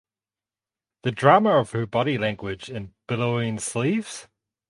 The drama of her body language in billowing sleeves?